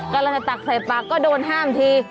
ก็เราจะตักใส่ปักก็โดนห้ามที